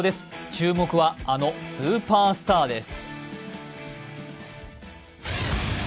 注目はあのスーパースターです。